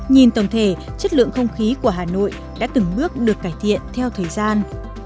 nhìn tổng thể chất lượng không khí của hà nội đã từng bước được cải thiện theo thời gian